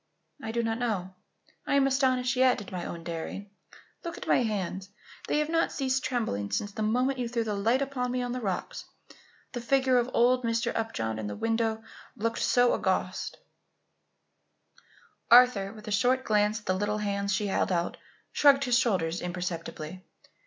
"I do not know. I am astonished yet, at my own daring. Look at my hands. They have not ceased trembling since the moment you threw the light upon me on the rocks. The figure of old Mr. Upjohn in the window looked so august." Arthur, with a short glance at the little hands she held out, shrugged his shoulders imperceptibly.